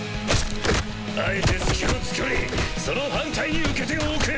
あえて隙を作りその反対に受け手を置く。